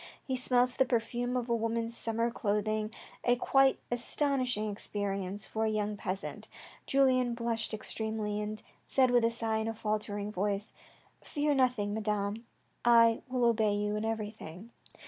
He smelt the perfume of a woman's summer clothing, a quite astonishing experience for a poor peasant. Julien blushed extremely, and said with a sigh in a faltering voice :" Fear nothing, Madame, I will obey you in everything."